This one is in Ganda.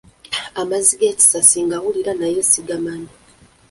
Amazzi g’Ekisasi ngawulira naye sigamanyi.